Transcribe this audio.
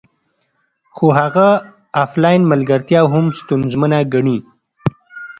خو هغه افلاین ملګرتیا هم ستونزمنه ګڼي